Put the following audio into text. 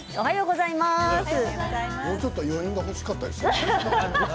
もうちょっと余韻が欲しかったな。